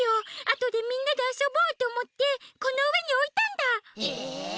あとでみんなであそぼうとおもってこのうえにおいたんだ！え！？